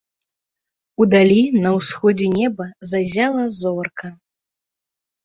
Удалі, на ўсходзе неба, заззяла зорка.